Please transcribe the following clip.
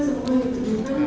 semua yang ditunjukkan